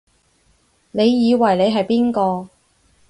你以為你係邊個？